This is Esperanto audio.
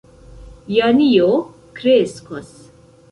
Janjo kreskos.